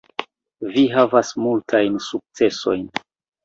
Vi havis multajn sukcesojn.